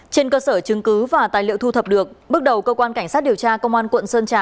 trên cơ sở chứng cứ và tài liệu thu thập được bước đầu cơ quan cảnh sát điều tra công an quận sơn trà